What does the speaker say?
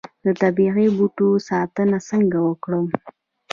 د طبیعي بوټو ساتنه څنګه وکړم؟